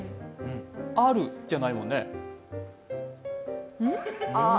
アルじゃないもんね。